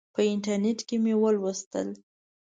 په انټرنیټ کې مې ولوستل.